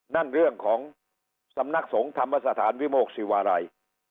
นั่นเรื่องของสำนักสงฆ์ธรรมสถานวิโมกศิวาลัย